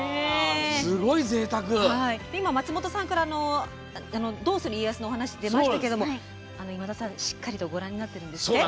今、松本さんから「どうする家康」のお話出ましたけれども今田さん、しっかりとご覧になってるんですよね。